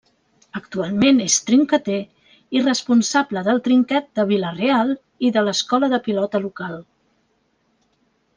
Actualment és trinqueter i responsable del Trinquet de Vila-real i de l'escola de pilota local.